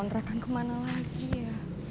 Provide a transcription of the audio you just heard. untuk kontrakan kemana lagi ya